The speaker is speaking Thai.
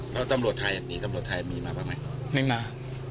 เพราะตำรวจไทยมีตำรวจไทยมีมาบ้างไหมไม่มา